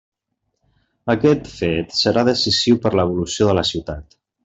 Aquest fet serà decisiu per a l'evolució de la ciutat.